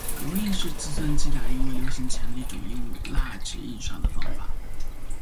油印是在计算机打印未流行前的一种用蜡纸印刷的方法。